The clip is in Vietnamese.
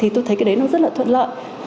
tôi thấy cái đấy rất thuận lợi